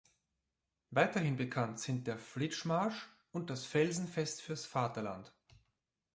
Weiterhin bekannt sind der "Flitsch-Marsch" und "Felsenfest fürs Vaterland".